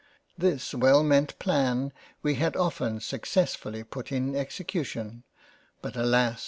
This well meant Plan we had often successfully put in Execution ; but alas